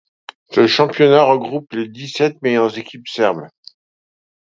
Ce championnat regroupe les dix-sept meilleures équipes serbes.